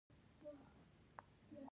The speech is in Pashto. پملا د نړۍ له غوره ژورنالونو څخه ګڼل کیږي.